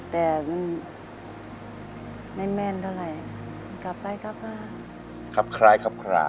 แต่ไม่แม่นเท่าไรกลับไปครับค่ะครับคลายครับคลา